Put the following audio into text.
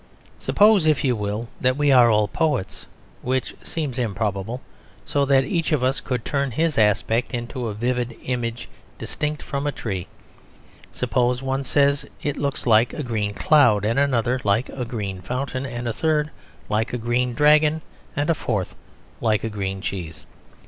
Suppose, if you will, that we are all poets, which seems improbable; so that each of us could turn his aspect into a vivid image distinct from a tree. Suppose one says it looks like a green cloud and another like a green fountain, and a third like a green dragon and the fourth like a green cheese.